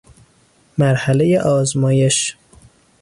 مرحله آزمایش